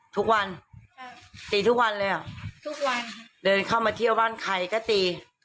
ทุกวันตีทุกวันเลยอ่ะทุกวันเดินเข้ามาเที่ยวบ้านใครก็ตี